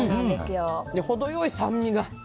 程良い酸味が。